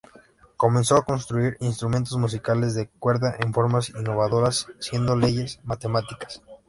Comenzó a construir instrumentos musicales de cuerda con formas innovadoras, siguiendo leyes matemáticas.